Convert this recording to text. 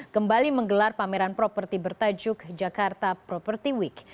kembali menggelar pameran properti bertajuk jakarta property week